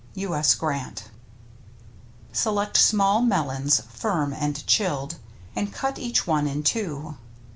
— U. S. Grant. Select small melons — firm, and chilled — And cut each one in two.